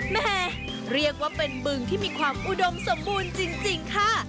แม่เรียกว่าเป็นบึงที่มีความอุดมสมบูรณ์จริงค่ะ